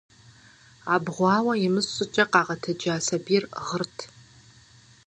Абгъуауэ имыщӀ щӀыкӀэ къагъэтэджа сабийр гъырт.